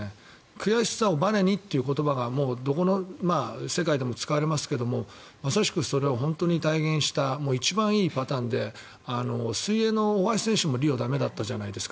悔しさをばねにという言葉がどこの世界でも使われますけれどまさしく、それを本当に体現した一番いいパターンで水泳の大橋選手も、リオは駄目だったじゃないですか。